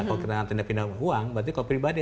kalau kita tindak tindak uang berarti kalau pribadi